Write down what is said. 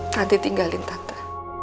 nanti tinggalin tante